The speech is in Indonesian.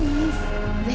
terus tek palit